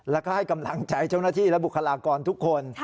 แล้วก็ให้กำลังใจเจ้าหน้าที่และบุคลากรทุกคน